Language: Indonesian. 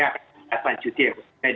akan dilanjutin ya